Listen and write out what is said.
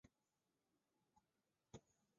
这里我们在复向量空间上考虑问题。